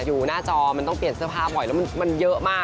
อยู่หน้าจอมันต้องเปลี่ยนเสื้อผ้าบ่อยแล้วมันเยอะมาก